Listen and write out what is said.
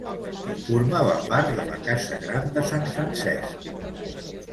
Formava part de la Casa Grande de San Francisco.